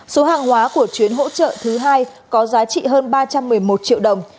số hàng hóa của chuyến hỗ trợ thứ hai có giá trị hơn ba trăm một mươi một triệu đồng